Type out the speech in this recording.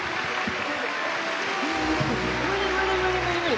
無理無理無理無理無理！